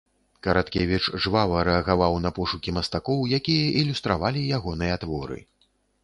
Караткевіч жвава рэагаваў на пошукі мастакоў, якія ілюстравалі ягоныя творы.